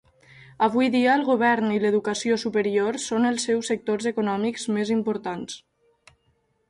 Avui dia, el govern i l'educació superior són els seus sectors econòmics més importants.